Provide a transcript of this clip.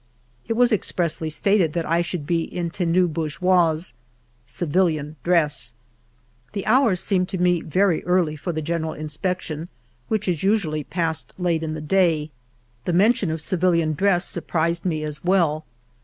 It was expressly stated that I should be in tenue bourgeoise (civilian dress). The hour seemed to me very early for the general inspection, which is usually passed late in the day ; the mention of 6 FIVE YEARS OF MY LIFE civilian dress surprised me as well.